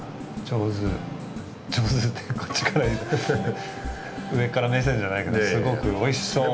上手ってこっちから上から目線じゃないけどすごくおいしそう。